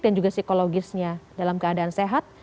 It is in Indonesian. dan juga psikologisnya dalam keadaan sehat